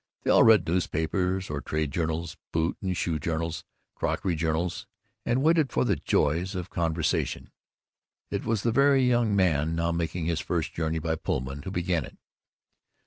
They all read newspapers or trade journals, boot and shoe journals, crockery journals, and waited for the joys of conversation. It was the very young man, now making his first journey by Pullman, who began it.